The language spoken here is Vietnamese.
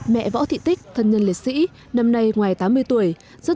mẹ võ thị tích thân nhân liệt sĩ năm nay ngoài tám mươi tuổi